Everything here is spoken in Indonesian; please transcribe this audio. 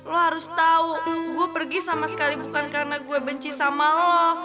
lo harus tahu gue pergi sama sekali bukan karena gue benci sama lo